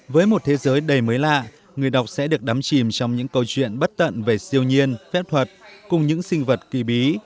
với một thế giới đầy mới lạ người đọc sẽ được đắm chìm trong những câu chuyện bất tận về siêu nhiên phép thuật cùng những sinh vật kỳ bí